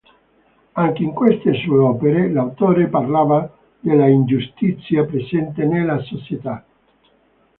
Anche in queste sue opere, l′autore parlava dell′ingiustizia presente nella società.